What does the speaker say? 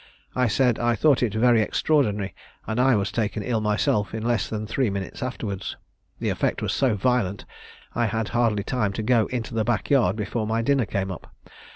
I said I thought it very extraordinary, and I was taken ill myself in less than three minutes afterwards. The effect was so violent, I had hardly time to go into the back yard before my dinner came up.